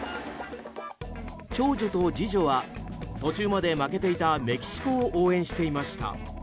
長女と次女は途中まで負けていたメキシコを応援していました。